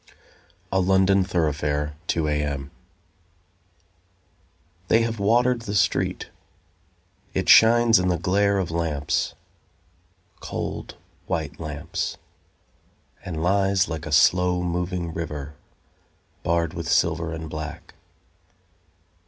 A London Thoroughfare. 2 A.M. They have watered the street, It shines in the glare of lamps, Cold, white lamps, And lies Like a slow moving river, Barred with silver and black.